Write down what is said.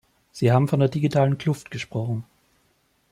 Sie haben von der digitalen Kluft gesprochen.